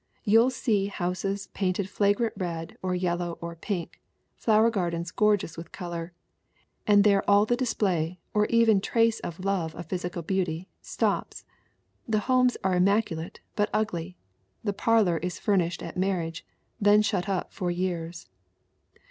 You'll see houses painted flagrant red or yellow or pink ; flower gardens gorgeous with color. And there all the display, or even trace of love of physical beauty, stops. The homes are immaculate but ugly. The parlor is fur nished at marriage, then shut up for years.